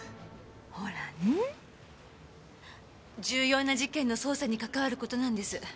重要な事件の捜査に関わる事なんです。